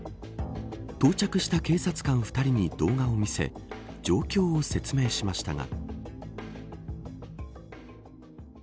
到着した警察官２人に動画を見せ状況を説明しましたが。